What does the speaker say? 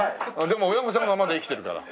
でも親御さんがまだ生きてるから。